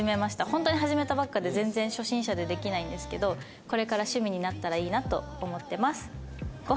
ホントに始めたばっかで全然初心者でできないんですけどこれから趣味になったらいいなと思ってます。